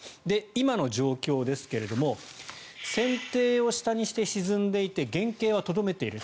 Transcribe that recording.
今の状況ですが船底を下にして沈んでいて原形はとどめている。